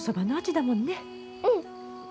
うん！